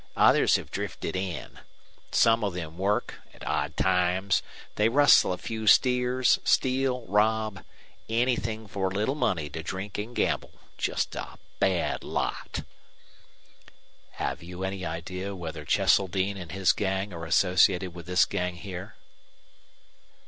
Others have drifted in. Some of them work, odd times. They rustle a few steers, steal, rob, anythin' for a little money to drink an' gamble. Jest a bad lot!" "Have you any idea whether Cheseldine and his gang are associated with this gang here?"